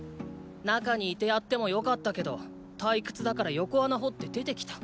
中にいてやってもよかったけど退屈だから横穴掘って出てきた。